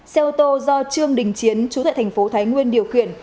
xe ô tô do trương đình chiến chú tại thành phố thái nguyên điều khiển